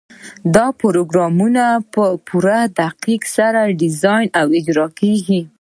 دا پروګرامونه په پوره دقت سره ډیزاین او اجرا کیږي.